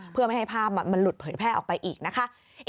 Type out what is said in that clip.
เพื่อไม่ให้ภาพมันหลุดเผยแพร่ออกไปอีกนะคะ